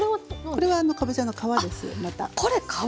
これかぼちゃの皮なんですね！